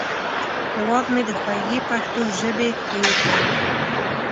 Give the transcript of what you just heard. هیواد مې د خوږې پښتو ژبې کور دی